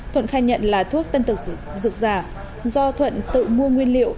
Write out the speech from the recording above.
thuận khai nhận là thuốc tân tự dược giả do thuận tự mua nguyên liệu